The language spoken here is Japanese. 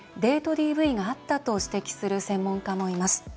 ＤＶがあったと指摘する専門家もいます。